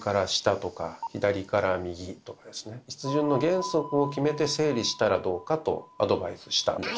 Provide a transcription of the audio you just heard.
筆順の原則を決めて整理したらどうかとアドバイスしたんです。